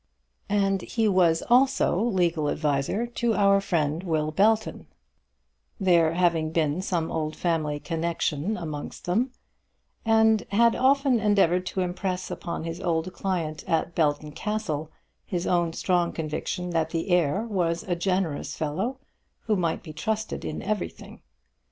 And he was also legal adviser to our friend Will Belton, there having been some old family connection among them, and had often endeavoured to impress upon his old client at Belton Castle his own strong conviction that the heir was a generous fellow, who might be trusted in everything.